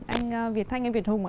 anh việt thanh anh việt hùng